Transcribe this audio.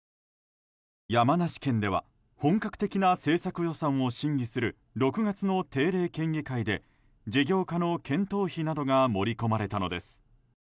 山梨県では本格的な政策予算を審議する６月の定例県議会で事業化の検討費などが盛り込まれたのです。